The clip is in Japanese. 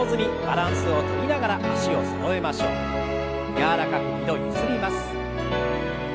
柔らかく２度ゆすります。